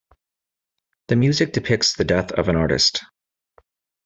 The music depicts the death of an artist.